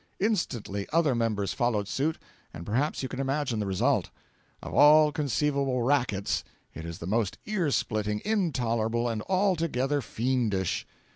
Instantly other members followed suit, and perhaps you can imagine the result. Of all conceivable rackets it is the most ear splitting, intolerable, and altogether fiendish.